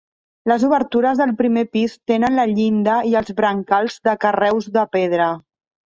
Les obertures del primer pis tenen la llinda i els brancals de carreus de pedra.